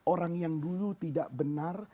orang yang dulu tidak benar